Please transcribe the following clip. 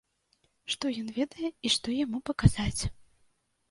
Што ён ведае і што яму паказаць.